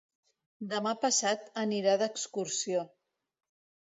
Demà passat anirà d'excursió.